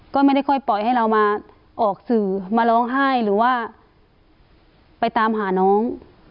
ก็ไม่ได้ค่อยปล่อยให้เรามาออกสื่อมาร้องไห้หรือว่าไปตามหาน้อง